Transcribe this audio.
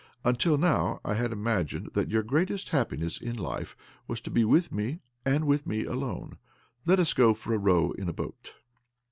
' 'Until now I had imiagined that your greatest happi ness in life was to be with me, and with me alone. Let us go for a row in a boat."